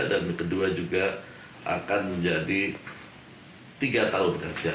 kedua juga akan menjadi tiga tahun kerja